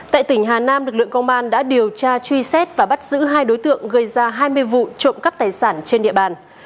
tại tỉnh hà nam lực lượng công an đã điều tra truy xét và bắt giữ hai đối tượng gây ra hai mươi vụ trộm cắp tài sản trên địa bàn